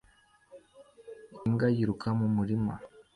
Imbwa yiruka mu murima